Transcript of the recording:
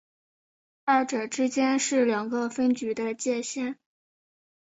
二者之间是两个分局的界线。